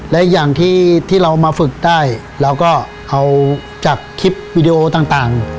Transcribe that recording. และอีกอย่างที่ที่เรามาฝึกได้เราก็เอาจากคลิปวิดีโอต่าง